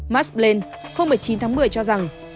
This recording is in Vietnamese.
mark blaine hôm một mươi chín tháng một mươi cho rằng